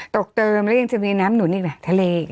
เติมแล้วยังจะมีน้ำหนุนอีกล่ะทะเล